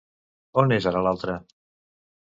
On és ara l'altre?